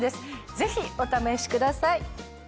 ぜひお試しください！